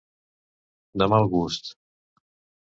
De mal gust.